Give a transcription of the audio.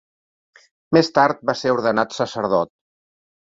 Més tard va ser ordenat sacerdot.